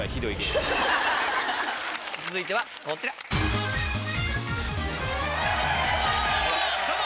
続いてはこちら。どうも！